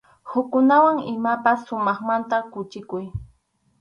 Hukkunawan imapas sumaqmanta quchikuy.